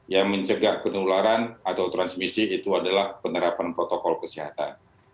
yang mencegah penularan atau transmisi itu adalah penerapan protokol kesehatan